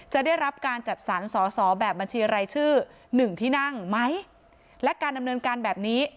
ได้รับการจัดสรรสอสอแบบบัญชีรายชื่อหนึ่งที่นั่งไหมและการดำเนินการแบบนี้